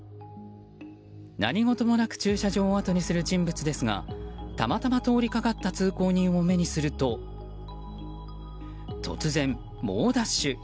何事もなく駐車場をあとにする人物ですがたまたま通りかかった通行人を目にすると突然、猛ダッシュ。